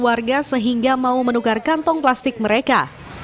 warga sehingga mau menukar kantong plastik mereka